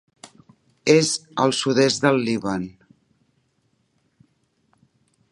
És el sud-est del Líban.